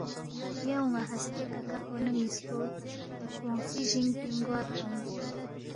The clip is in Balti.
یا اونا ہاسکے کاکا فونو نیسکو ہرکونگسی جینگ پینگ گوا کھیونگ۔